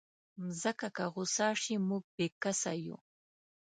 مځکه که غوسه شي، موږ بېکسه یو.